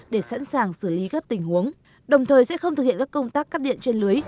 để sẵn sàng xử lý các tình huống đồng thời sẽ không thực hiện các công tác cắt điện trên lưới